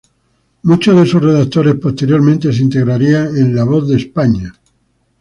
Muchos de sus redactores posteriormente se integrarían en "La Voz de España".